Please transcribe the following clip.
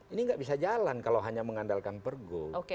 ini nggak bisa jalan kalau hanya mengandalkan pergub